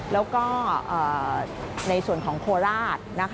แล้วก็ในส่วนของโคราช